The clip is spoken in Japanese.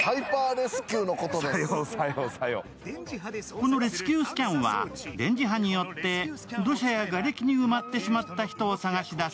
このレスキュースキャンは電磁波によって土砂やがれきに埋まってしまった人を捜し出す